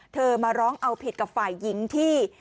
มาร้องเอาผิดกับฝ่ายหญิงที่